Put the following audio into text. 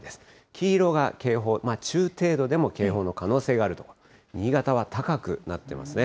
黄色が警報、中程度でも警報の可能性があると、新潟は高くなってますね。